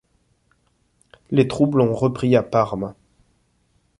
Les troubles ont repris à Parme.